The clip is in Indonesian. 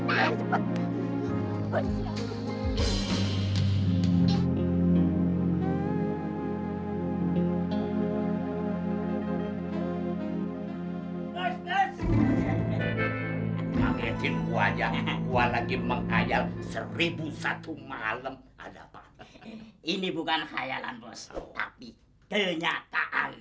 maksudnya gua lagi mengayal seribu satu malam ini bukan khayalan bos tapi kenyataan